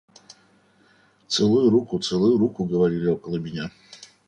«Целуй руку, целуй руку!» – говорили около меня.